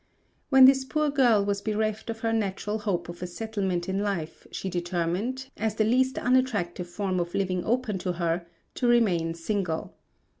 When this poor girl was bereft of her natural hope of a settlement in life she determined, as the least unattractive form of living open to her, to remain single.